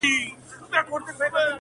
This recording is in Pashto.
یو څه ستا فضل یو څه به دوی وي.!